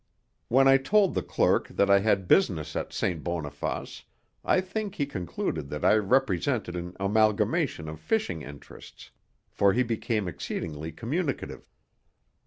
When I told the clerk that I had business at St. Boniface I think he concluded that I represented an amalgamation of fishing interests, for he became exceedingly communicative.